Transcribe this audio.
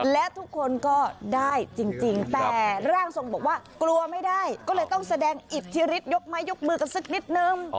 และทุกคนก็ได้จริงแต่ร่างทรงบอกว่ากลัวไม่ได้ก็เลยต้องแสดงอิทธิฤทธยกไม้ยกมือกันสักนิดนึง